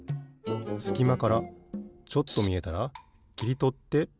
すきまからちょっとみえたらきりとってペタン。